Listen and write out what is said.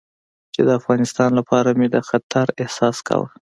چې د افغانستان لپاره مې د خطر احساس کاوه.